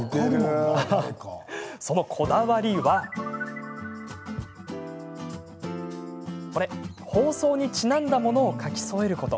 そのこだわりは放送に、ちなんだものを描き添えること。